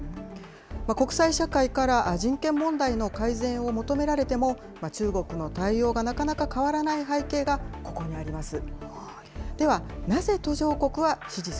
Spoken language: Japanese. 国際社会から人権問題の改善を求められても、中国の対応がなかなか変わらない背景が、ここにあります。